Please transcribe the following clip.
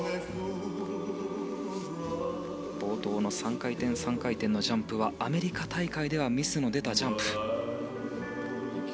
冒頭の３回転、３回転のジャンプはアメリカ大会ではミスが出たジャンプ。